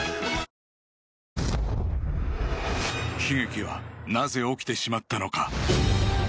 悲劇はなぜ起きてしまったのか？